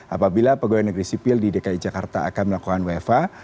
apabila pegawai negeri sipil di dki jakarta akan melakukan wfa